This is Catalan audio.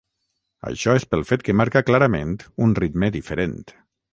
Això és pel fet que marca clarament un ritme diferent.